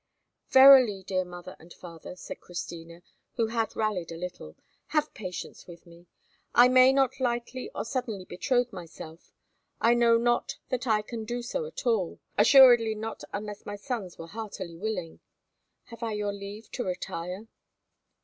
"Verily, dear mother and father," said Christina, who had rallied a little, "have patience with me. I may not lightly or suddenly betroth myself; I know not that I can do so at all, assuredly not unless my sons were heartily willing. Have I your leave to retire?"